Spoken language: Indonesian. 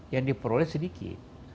yang diperoleh sedikit